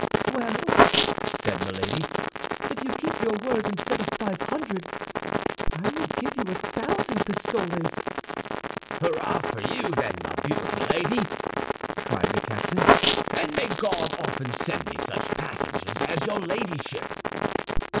"Well," said Milady, "if you keep your word, instead of five hundred, I will give you a thousand pistoles." "Hurrah for you, then, my beautiful lady," cried the captain; "and may God often send me such passengers as your Ladyship!"